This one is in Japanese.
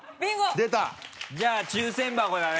じゃあ抽選箱だね。